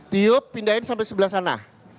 tiup pindahin sampai sebelah sana